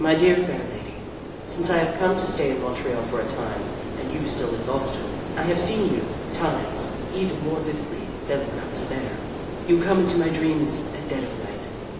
Dear Fair Lady: Since I have come to stay in Montreal for a time, and you still in Boston, I have seen you, times, even more vividly than when I was there. You come into my dreams at dead of night.